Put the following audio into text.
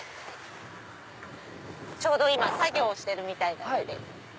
ちょうど今作業してるみたいなので。